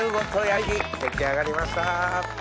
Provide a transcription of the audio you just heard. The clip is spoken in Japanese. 出来上がりました。